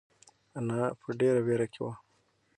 انا په ډېره وېره کې وه.